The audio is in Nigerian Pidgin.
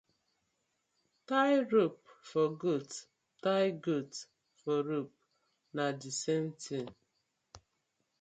Tie rope for goat, tie goat for rope, na the same thing.